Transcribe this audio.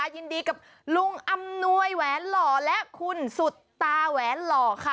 ยินดีกับลุงอำนวยแหวนหล่อและคุณสุดตาแหวนหล่อค่ะ